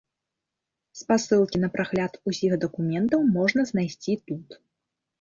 Спасылкі на прагляд усіх дакументаў можна знайсці тут.